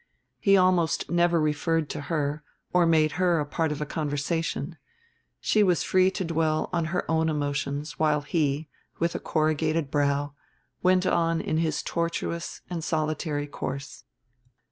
He almost never referred to her or made her part of a conversation; she was free to dwell on her own emotions while he, with a corrugated brow, went on in his tortuous and solitary course.